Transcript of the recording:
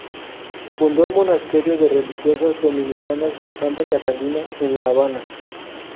Fundó el monasterio de religiosas dominicas de santa Catalina en La Habana.